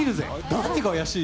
何が怪しい？